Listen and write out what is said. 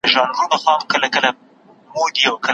د بازانو د مرغانو ننداره وه